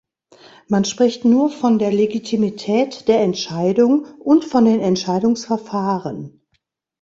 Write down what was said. Man spricht nur von der Legitimität der Entscheidung und von den Entscheidungsverfahren.